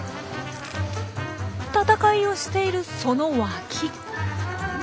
戦いをしているその脇。